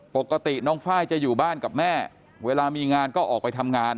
ปกติน้องไฟล์จะอยู่บ้านกับแม่เวลามีงานก็ออกไปทำงาน